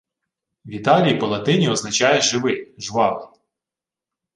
— Віталій по-латині означає живий, жвавий.